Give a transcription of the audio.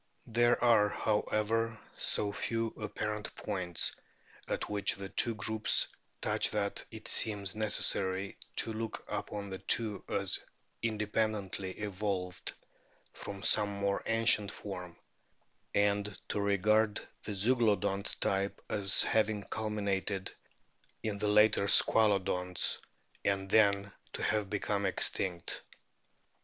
There are, however, so few apparent points at which the two groups touch that it seems necessary to look upon the two as in dependently evolved from some more ancient form, and to regard the Zeuglodont type as having culminated in the later Squalodonts (see p. 307) and then to have become extinct.